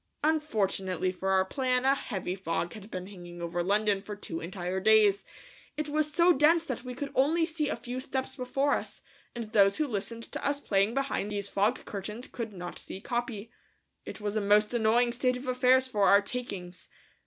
Unfortunately for our plan a heavy fog had been hanging over London for two entire days. It was so dense that we could only see a few steps before us, and those who listened to us playing behind these fog curtains could not see Capi. It was a most annoying state of affairs for our "takings."